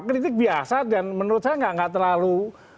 kritik biasa dan menurut saya nggak terlalu